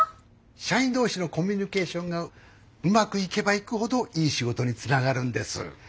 社員同士のコミュニケーションがうまくいけばいくほどいい仕事につながるんです。